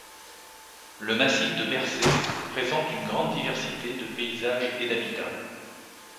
Le massif de Bercé présente une grande diversité de paysages et d'habitats.